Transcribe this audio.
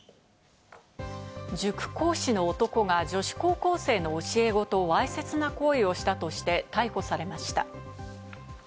塾講師の男が女子高校生の教え子とわいせつな行為をしたとして逮捕されました。